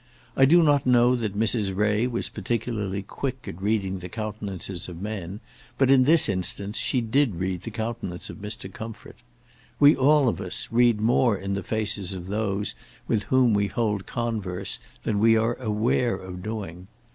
I do not know that Mrs. Ray was particularly quick at reading the countenances of men, but, in this instance, she did read the countenance of Mr. Comfort. We, all of us, read more in the faces of those with whom we hold converse, than we are aware of doing.